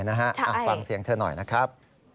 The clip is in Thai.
ใช่ฟังเสียงเธอหน่อยนะครับฟังเสียงเธอหน่อยนะครับ